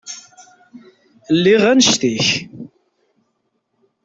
Lliɣ annect-ik.